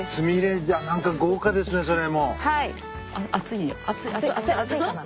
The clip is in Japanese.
何か豪華ですねそれも。